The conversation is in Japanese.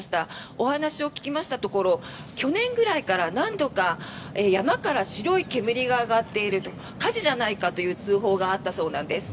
お話を聞きましたところ去年ぐらいから何度か山から白い煙が上がっていると火事じゃないかという通報があったそうなんです。